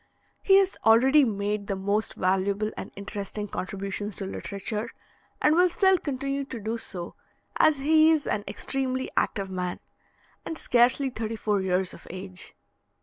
He has already made the most valuable and interesting contributions to literature, and will still continue to do so, as he is an extremely active man, and scarcely thirty four years of age.